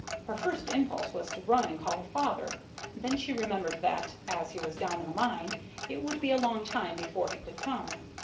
Her first impulse was to run and call her father. Then she remembered that, as he was down in the mine, it would be a long time before he could come.